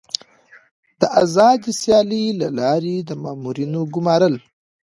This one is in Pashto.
د آزادې سیالۍ له لارې د مامورینو ګمارل.